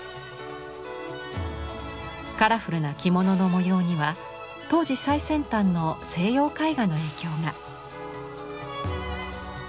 カラフルな着物の模様には当時最先端の西洋絵画の影響が。